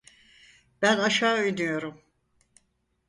Ben aşağı iniyorum.